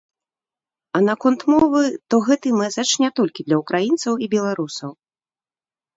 А наконт мовы, то гэты мэсадж не толькі для ўкраінцаў і беларусаў!